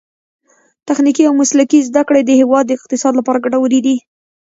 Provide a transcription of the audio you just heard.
تخنیکي او مسلکي زده کړې د هیواد د اقتصاد لپاره ګټورې دي.